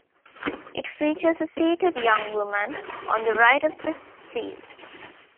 It features a seated young woman on the right of the stele.